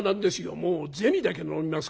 もう銭だけ飲みますから」。